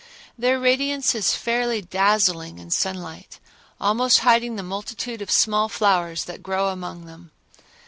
Their radiance is fairly dazzling in sunlight, almost hiding the multitude of small flowers that grow among them.